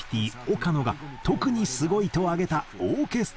岡野が特にすごいと挙げたオーケストラとのライブ。